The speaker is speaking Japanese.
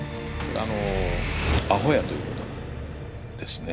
あのアホやということなんですね。